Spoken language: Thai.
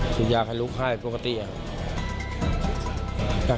สุยะให้ลูกไห้ปกติครับ